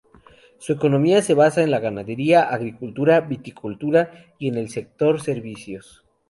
Su economía se basa en la ganadería, agricultura, viticultura y en el sector servicios.